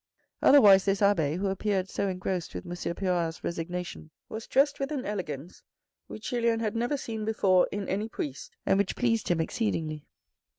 Otherwise this abbe, who appeared so engrossed with Monsieur Pirard's resignation, was dressed with an elegance which Julien had never seen before in any priest and which pleased him exceedingly.